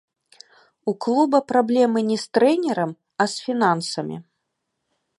У клуба праблемы не з трэнерам, а з фінансамі.